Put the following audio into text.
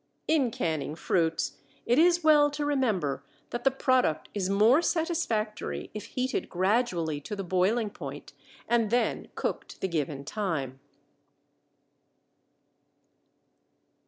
In canning fruits it is well to remember that the product is more satisfactory if heated gradually to the boiling point and then cooked the given time.